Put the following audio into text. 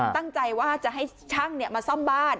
ตั้งใจว่าจะให้ช่างมาซ่อมบ้าน